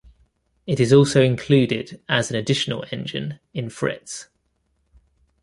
It is also included as an additional engine in Fritz.